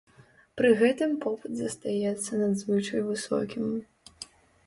Пры гэтым попыт застаецца надзвычай высокім.